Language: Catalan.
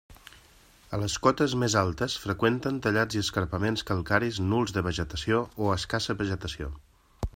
A les cotes més altes freqüenten tallats i escarpaments calcaris nuls de vegetació o escassa vegetació.